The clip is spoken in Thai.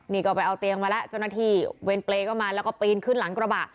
นี่ก็ไปเอาเตียงมาแล้วเจ้าหน้าที่เวรเปรย์ก็มาแล้วก็ปีนขึ้นหลังกระบะ